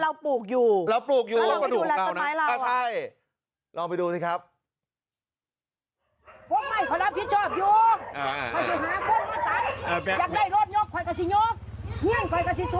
เออหมายความว่าเราปลูกอยู่